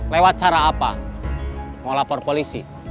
lewat cara apa mau lapor polisi